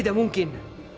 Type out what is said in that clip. ini tidak mungkin